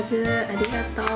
ありがとう。